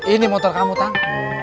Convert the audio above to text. ini motor kamu tang